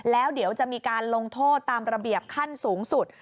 แล้วเดี๋ยวจะมีการลงโทษตามระเบียบขั้นสูงสุด